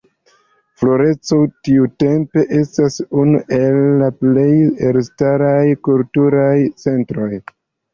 Florenco tiutempe estis unu el la plej elstaraj kulturaj centroj.